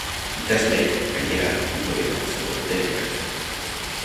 Ikasleek, gainera, tutore bat izango dute enpresan.